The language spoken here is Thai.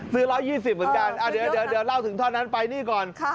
ซื้อ๑๒๐กันอะเดี๋ยวเล่าถึงท่อนั้นไปนี่ก่อนค่ะ